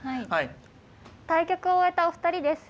対局を終えたお二人です。